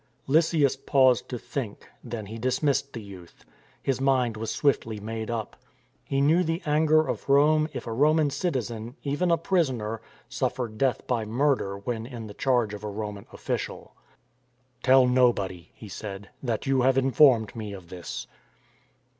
Lysias paused to think; then he dismissed the youth. His mind was swiftly made up. He knew the anger of Rome if a Roman citizen, even a prisoner, suf fered death by murder when in the charge of a Roman official. " Tell nobody," he said, " that you have informed me of this."